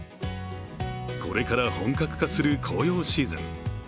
これから本格化する紅葉シーズン。